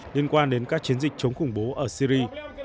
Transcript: liên quan đến các chiến dịch chống khủng bố ở syri